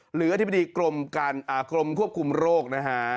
อธิบดีกรมควบคุมโรคนะฮะ